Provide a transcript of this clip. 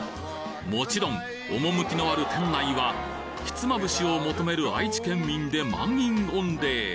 もちろん趣のある店内はひつまぶしを求める愛知県民で満員御礼